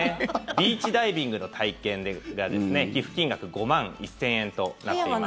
ビーチダイビングの体験が寄付金額５万１０００円となっています。